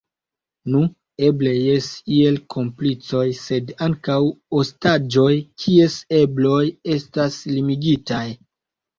Nu, eble jes, iel komplicoj sed ankaŭ ostaĝoj kies ebloj estas limigitaj.